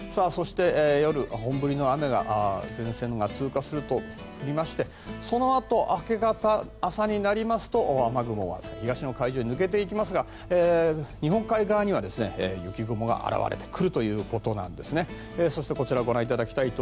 そして、夜には本降りの雨が前線が通過すると降りましてそのあと、明け方朝になりますと雨雲は東の海上に抜けていきますが日本海側には雪雲が現れてくるということなんですね。